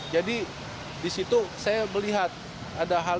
jadi di situ saya melihat ada hal